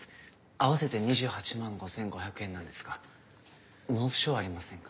合わせて２８万５５００円なんですが納付書ありませんか？